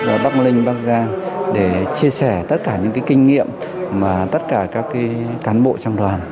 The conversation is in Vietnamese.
ở bắc ninh bắc giang để chia sẻ tất cả những kinh nghiệm mà tất cả các cán bộ trang đoàn